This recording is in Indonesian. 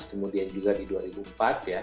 kemudian juga di dua ribu empat ya